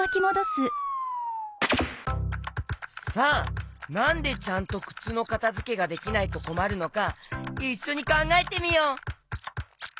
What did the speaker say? さあなんでちゃんとくつのかたづけができないとこまるのかいっしょにかんがえてみよう！